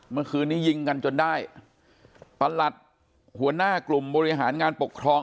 เมื่อคืนนี้ยิงกันจนได้ประหลัดหัวหน้ากลุ่มบริหารงานปกครอง